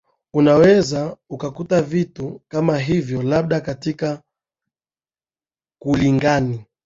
unaweza ukakuta vitu kama hivyo labda katika kulingani